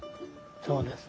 そうです。